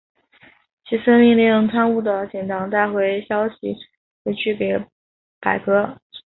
齐森命贪污的警长带消息回去给柏格。